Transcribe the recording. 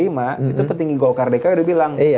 itu petinggi golkar dki udah bilang